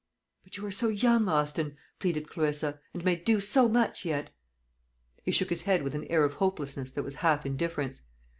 "But you are so young, Austin," pleaded Clarissa, "and may do so much yet." He shook his head with an air of hopelessness that was half indifference.